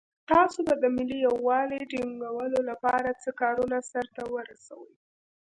تاسو به د ملي یووالي ټینګولو لپاره څه کارونه سرته ورسوئ.